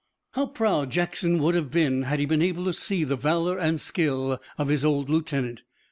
How proud Jackson would have been had he been able to see the valor and skill of his old lieutenant!